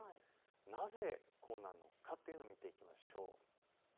なぜこうなのかというのを見ていきましょう。